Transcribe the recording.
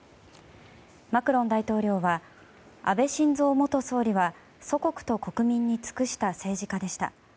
マクロン大統領は安倍晋三元総理は祖国と国民に尽くした政治家でした。